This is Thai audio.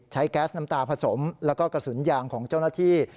แก๊สน้ำตาผสมแล้วก็กระสุนยางของเจ้าหน้าที่